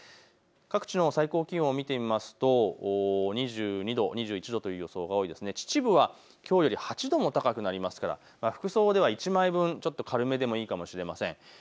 各地の最高気温を見てみますと２２度、２１度という予想が多い、秩父はきょうより８度も高くなりますから服装では１枚分、軽めでもいいかもしれません。